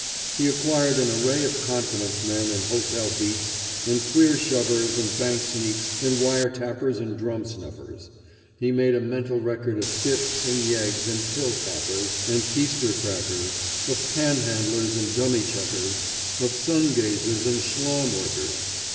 He acquired an array of confidence men and hotel beats and queer shovers and bank sneaks and wire tappers and drum snuffers. He made a mental record of dips and yeggs and till tappers and keister crackers, of panhandlers and dummy chuckers, of sun gazers and schlaum workers.